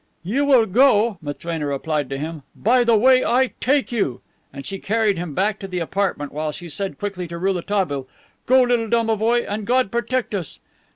"You will go," Matrena replied to him, "by the way I take you." And she carried him back into the apartment while she said quickly to Rouletabille: "Go, little domovoi! And God protect us!"